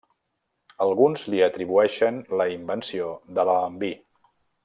Alguns li atribueixen la invenció de l'alambí.